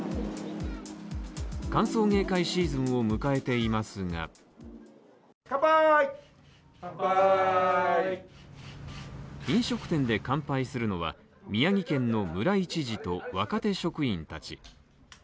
歓送迎会シーズンを迎えていますが飲食店で乾杯するのは宮城県の村井知事と若手職員たち。